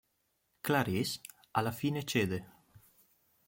Clarisse alla fine cede.